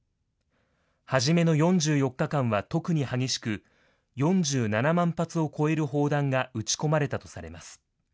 初めの４４日間は特に激しく、４７万発を超える砲弾が撃ち込まれたとされます。